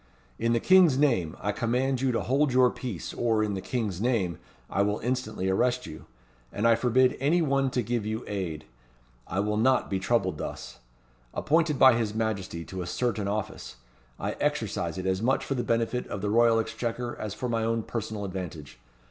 In the King's name, I command you to hold your peace, or, in the King's name, I will instantly arrest you; and I forbid any one to give you aid. I will not be troubled thus. Appointed by his Majesty to a certain office, I exercise it as much for the benefit of the Royal Exchequer, as for my own personal advantage.